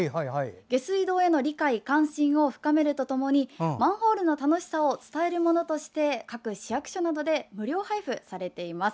下水道への理解、関心を深めるとともにマンホールの楽しさを伝えるものとして各市役所などで無料配布されています。